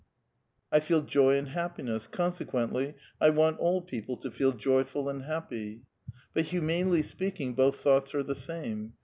" I feel joy and happiness ; consequently, I want all people to feel joyful and happy." But humanely speaking, both thoughts are the same.